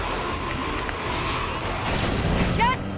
よし！